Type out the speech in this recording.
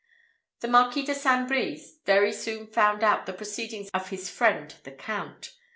"The Marquis de St. Brie very soon found out the proceedings of his friend the Count.